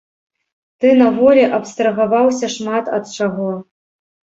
Ты на волі абстрагаваўся шмат ад чаго.